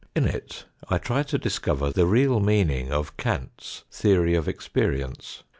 In it I try to discover the real meaning of Kant's theory of experience.